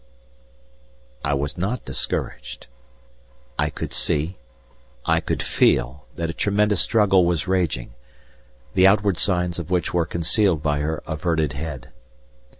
I was not discouraged. I could see, I could feel, that a tremendous struggle was raging, the outward signs of which were concealed by her averted head.